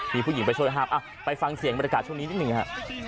มีผู้หญิงไปช่วยห้ามไปฟังเสียงบรรยากาศช่วงนี้นิดหนึ่งฮะ